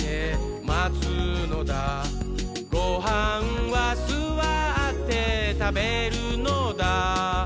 「ごはんはすわってたべるのだ」